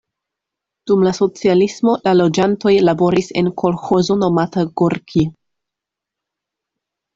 Dum la socialismo la loĝantoj laboris en kolĥozo nomata Gorkij.